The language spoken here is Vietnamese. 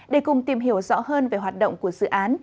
để cùng tìm hiểu rõ hơn về hoạt động của dự án